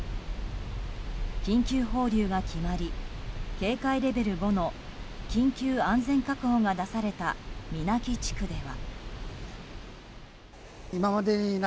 緊急放流が決まり警戒レベル５の緊急安全確保が出された三奈木地区では。